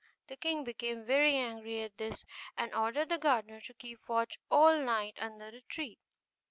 The king became very angry at this, and ordered the gardener to keep watch all night under the tree.